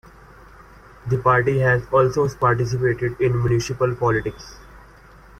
The party has also participated in municipal politics.